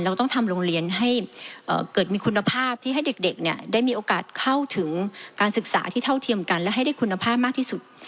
เราต้องทำโรงเรียนให้เกิดมีคุณภาพที่ให้เด็กเนี่ยได้มีโอกาสเข้าถึงการศึกษาที่เท่าเทียมกันและให้ได้คุณภาพมากที่สุด